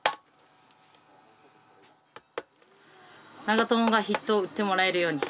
永宝がヒットを打ってもらえるように。